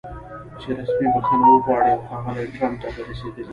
چې رسمي بښنه وغواړي او ښاغلي ټرمپ ته د رسېدلي